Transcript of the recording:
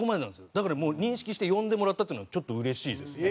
だからもう認識して呼んでもらったっていうのちょっとうれしいですね